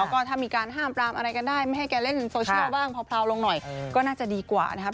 ก็ถ้ามีการห้ามปรามอะไรกันได้ไม่ให้แกเล่นโซเชียลบ้างเผาลงหน่อยก็น่าจะดีกว่านะครับ